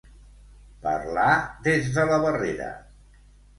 Parlar des de la barrera.